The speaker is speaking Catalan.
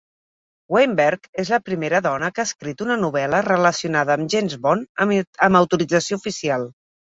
Weinberg és la primera dona que ha escrit una novel·la relacionada amb James Bond amb autorització oficial.